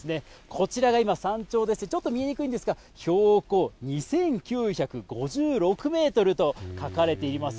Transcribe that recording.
こちらが今、山頂でして、ちょっと見えにくいんですが、標高２９５６メートルと書かれています。